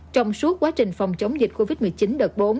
trong suốt quá trình phòng chống dịch covid một mươi chín đợt bốn